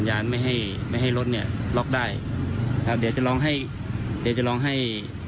อันนี้กดขันสัญญาณค้างไว้